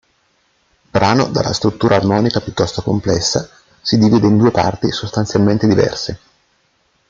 Brano dalla struttura armonica piuttosto complessa, si divide in due parti sostanzialmente diverse.